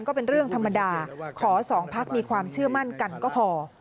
ก็เป็นเรื่องธรรมดาขอสองพักมีความเชื่อมั่นกันก็พอ